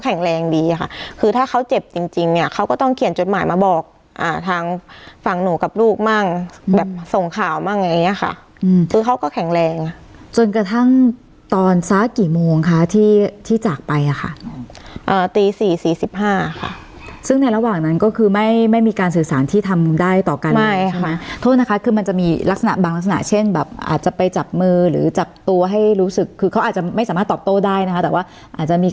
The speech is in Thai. อย่างเงี้ยค่ะคือเขาก็แข็งแรงจนกระทั่งตอนซ้ากี่โมงคะที่ที่จากไปอ่ะค่ะอ่าตีสี่สี่สิบห้าค่ะซึ่งในระหว่างนั้นก็คือไม่ไม่มีการสื่อสารที่ทำได้ต่อกันใช่ไหมไม่ค่ะโทษนะคะคือมันจะมีลักษณะบางลักษณะเช่นแบบอาจจะไปจับมือหรือจับตัวให้รู้สึกคือเขาอาจจะไม่สามารถตอบโตได้นะคะแต่ว่าอา